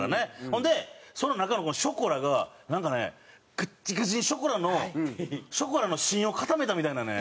ほんでその中のショコラがなんかねガッチガチにショコラのショコラの芯を固めたみたいなね。